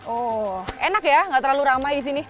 oh enak ya nggak terlalu ramai di sini